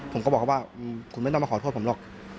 ผมก็บอกเขาว่าคุณไม่ต้องมาขอโทษผมหรอก